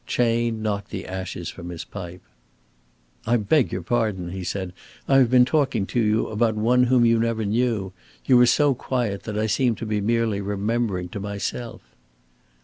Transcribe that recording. Chayne knocked the ashes from his pipe. "I beg your pardon," he said. "I have been talking to you about one whom you never knew. You were so quiet that I seemed to be merely remembering to myself."